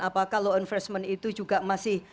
apakah law enforcement itu juga masih